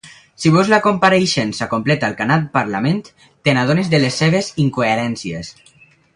Si veus la compareixença completa al canal Parlament, te n'adones de les seves incoherències.